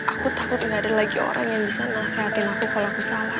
aku takut gak ada lagi orang yang bisa nasehatin aku kalau aku salah